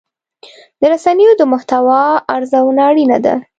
د رسنیو د محتوا ارزونه اړینه ده.